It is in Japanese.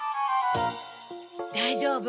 だいじょうぶ？